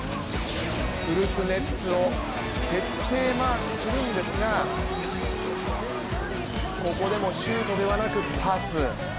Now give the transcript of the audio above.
古巣・ネッツも徹底マークするんですがここでもシュートではなくパス。